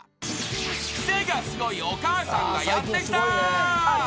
［クセがスゴいお母さんがやって来た］